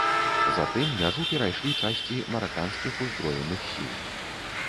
Затым мяжу перайшлі часці мараканскіх ўзброеных сіл.